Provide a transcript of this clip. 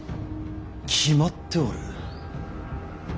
決まっておる。